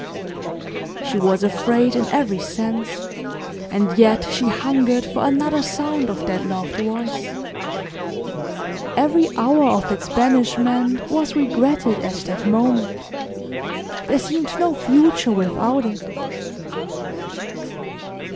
She was afraid in every sense, and yet she hungered for another sound of that loved voice. Every hour of its banishment was regretted at that moment. There seemed no future without it.